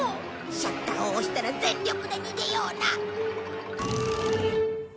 シャッターを押したら全力で逃げような！